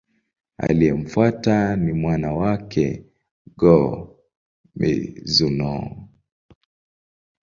Aliyemfuata ni mwana wake, Go-Mizunoo.